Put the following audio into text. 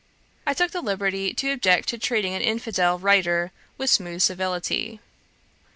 I took the liberty to object to treating an infidel writer with smooth civility.